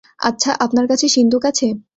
আচ্ছা, আপনার কাছে সিন্দুক আছে?